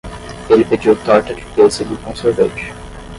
Ele pediu torta de pêssego com sorvete.